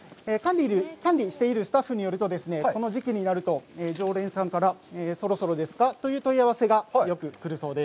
管理しているスタッフによるとこの時期になると、常連さんからそろそろですか？という問い合わせがよく来るそうです。